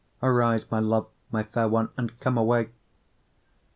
Arise, my love, my fair one, and come away.